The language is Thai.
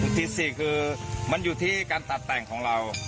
ที่๔คือมันอยู่ที่การตัดแต่งของเรา